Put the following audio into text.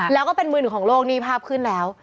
แล้วก็เป็นมือหนึ่งของโลกนี่ภาพขึ้นแล้ว